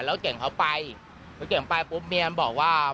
แล้วเจ๋งเขาไปเจ๋งไปปุ๊บเมียบอกว่า